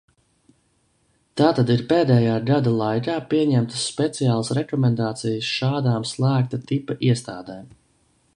Tātad ir pēdējā gada laikā pieņemtas speciālas rekomendācijas šādām slēgta tipa iestādēm.